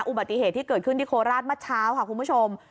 อุบัติเหตุที่เกิดขึ้นที่โคราชเมื่อเช้าค่ะคุณผู้ชม